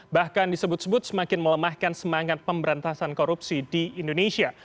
bahkan disebut sebut semakin melemahkan semangat pemberantasan korupsi di indonesia